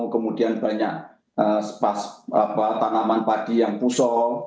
kemudian banyak tanaman padi yang pusol